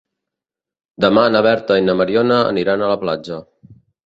Demà na Berta i na Mariona aniran a la platja.